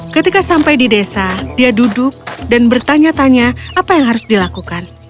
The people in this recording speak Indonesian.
ketika sampai di desa dia duduk dan bertanya tanya apa yang harus dilakukan